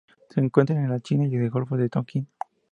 Se encuentra en la China y el Golfo de Tonkín.